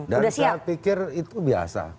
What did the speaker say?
dan saya pikir itu biasa